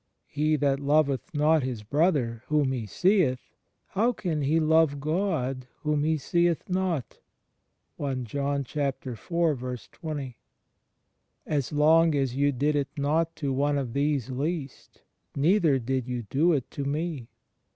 "He that loveth not his brother, whom he seeth, how can he love God, whom he seeth not?" * "As long as you did it not to one of these least, neither did you do it to me."